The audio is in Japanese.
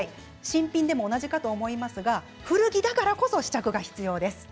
新品でも同じかと思いますが古着だからこそ試着が必要です。